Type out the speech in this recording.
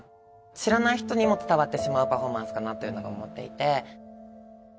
知らない人にも伝わってしまうパフォーマンスかなと思っていて。